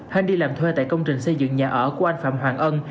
hân đi làm thuê tại công trình xây dựng nhà ở của anh phạm hoàng ân